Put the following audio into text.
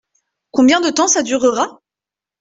Combien de temps ça durera ?